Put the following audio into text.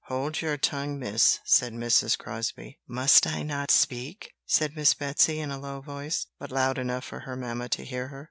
"Hold your tongue, miss!" said Mrs. Crosbie. "Must I not speak?" said Miss Betsy in a low voice, but loud enough for her mamma to hear her.